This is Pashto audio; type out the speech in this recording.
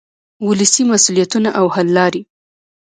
ولسي مسؤلیتونه او حل لارې.